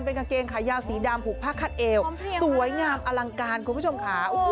เป็นกางเกงขายาวสีดำผูกผ้าคัดเอวสวยงามอลังการคุณผู้ชมค่ะ